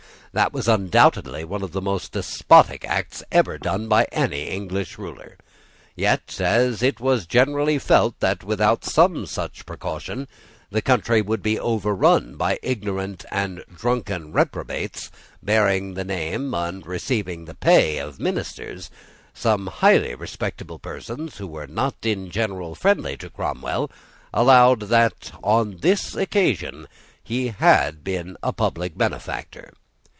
This was undoubtedly one of the most despotic acts ever done by any English ruler. Yet, as it was generally felt that, without some such precaution, the country would be overrun by ignorant and drunken reprobates, bearing the name and receiving the pay of ministers, some highly respectable persons, who were not in general friendly to Cromwell, allowed that, on this occasion, he had been a public benefactor.